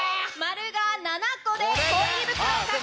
「○」が７個で。